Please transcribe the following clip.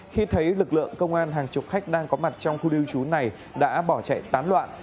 khi thấy lực lượng công an hàng chục khách đang có mặt trong khu lưu trú này đã bỏ chạy tán loạn